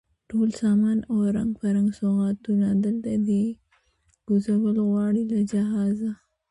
ټول سامان او رنګ په رنګ سوغاتونه، دلته دی کوزول غواړي له جهازه